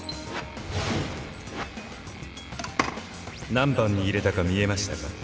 何番に入れたか見えましたか？